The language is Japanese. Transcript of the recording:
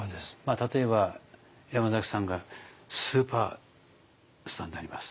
例えば山崎さんがスーパースターになります。